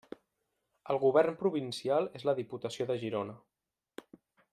El govern provincial és la Diputació de Girona.